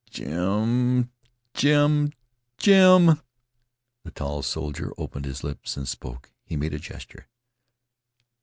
"Jim Jim Jim " The tall soldier opened his lips and spoke. He made a gesture.